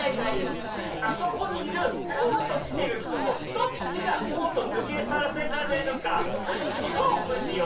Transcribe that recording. あそこにいるコート着てる人をどっちがコート脱げさせられるか勝負しよう。